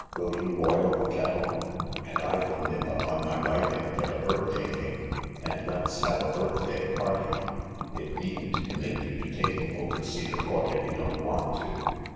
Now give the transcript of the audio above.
Will you boil the kettle ?— and I will nip up on my bike and get a birthday cake, and let's have a birthday party. It needn't commit you to taking over Cedar Court if you don't want to.